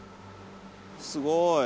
すごい。